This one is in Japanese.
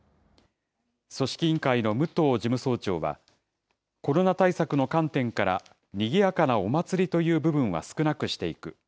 組織委員会の武藤事務総長は、コロナ対策の観点から、にぎやかなお祭りという部分は少なくしていく。